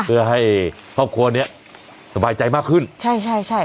เพื่อให้ครอบครัวเนี้ยสบายใจมากขึ้นใช่ใช่